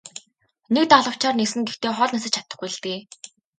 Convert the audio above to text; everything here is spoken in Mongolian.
Нэг далавчаар ниснэ гэхдээ хол нисэж чадахгүй л дээ.